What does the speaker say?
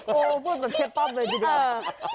โอ้พูดแบบเช็ดป้อมเลยทีเดียว